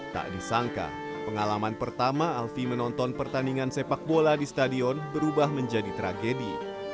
tak disangka pengalaman pertama alfie menonton pertandingan sepak bola di stadion berubah menjadi tragedi